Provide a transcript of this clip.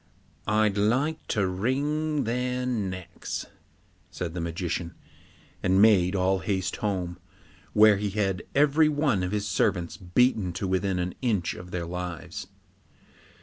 'I'd like to wring their necks,' said the magician, and made all haste home, where he had every one of his servants beaten to within an inch of their lives.